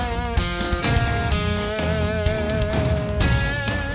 nanti kita akan berbicara